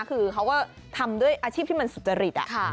คือเขาก็ทำด้วยอาชีพที่มันสุจริต